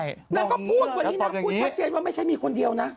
นางก็พูดวันนี้นางพูดชัดเจนว่าไม่ใช่มีคนเดียวนะ